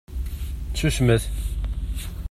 Susmet!